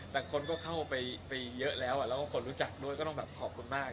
แต่คนก็เข้าไปเยอะแล้วแล้วก็คนรู้จักด้วยก็ต้องแบบขอบคุณมาก